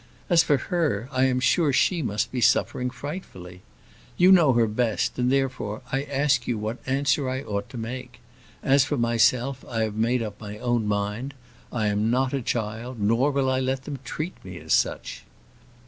As for her, I am sure she must be suffering frightfully. You know her best, and, therefore, I ask you what answer I ought to make: as for myself, I have made up my own mind; I am not a child, nor will I let them treat me as such."